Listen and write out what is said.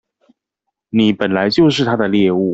你本來就是他的獵物